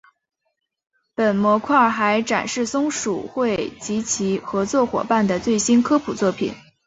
本模块还展示松鼠会及其合作伙伴的最新科普作品。